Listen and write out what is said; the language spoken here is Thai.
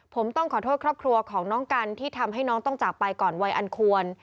ผมต้องขอโทษครอบครัวของน้องกันที่ทำให้น้องต้องจากไปก่อนวัยอันควร